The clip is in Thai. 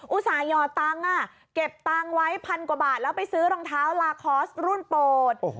อุตส่าหยอดตังค์เก็บตังค์ไว้พันกว่าบาทแล้วไปซื้อรองเท้าลาคอร์สรุ่นโปรด